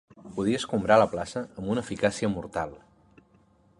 Podia escombrar la plaça amb una eficàcia mortal